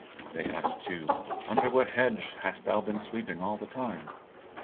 They asked, too, "Under what hedge hast thou been lying sleeping all the time?"